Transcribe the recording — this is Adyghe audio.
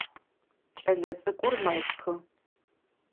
Кӏэлэцӏыкӏур мэщхы.